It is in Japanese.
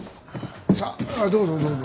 さあどうぞどうぞ。